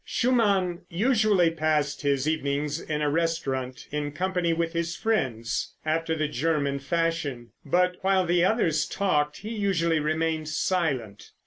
Schumann usually passed his evenings in a restaurant in company with his friends, after the German fashion, but while the others talked he usually remained silent.